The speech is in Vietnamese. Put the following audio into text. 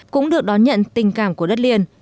cũng được đón nhận tình cảm của đất liền